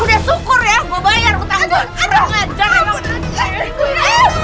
sudah syukur ya gue bayar